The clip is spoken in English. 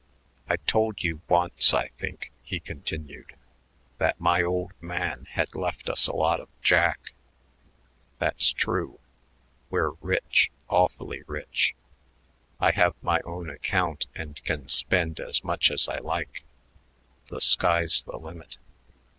"I told you once, I think," he continued, "that my old man had left us a lot of jack. That's true. We're rich, awfully rich. I have my own account and can spend as much as I like. The sky's the limit.